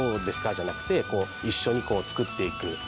じゃなくて一緒にこう作っていく。